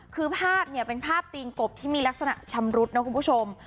คือภาพเนี่ยเป็นภาพตีนกบที่มีลักษณะชำรุดนะคุณผู้ชม